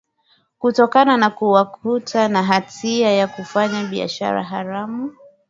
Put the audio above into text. kutokana kuwakuta na hatia ya kufanya biashara haramu